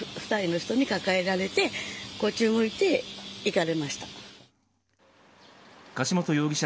大丈夫？って抱えてて、２人の人に抱えられて、こっち向いていかれました。